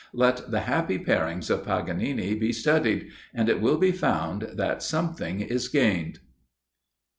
Let the happy darings of Paganini be studied, and it will be found that something is gained.